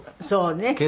そうね。